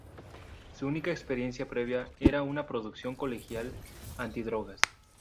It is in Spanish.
Su única experiencia previa era una producción colegial antidrogas.